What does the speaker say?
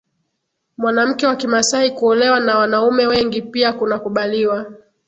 Mwanamke wa kimasai Kuolewa na wanaume wengi pia kunakubaliwa